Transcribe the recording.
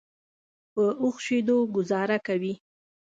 په اوښ شیدو ګوزاره کوي.